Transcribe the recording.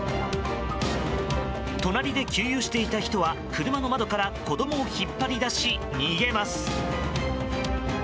隣で給油していた人は車の窓から子供を引っ張り出し、逃げます。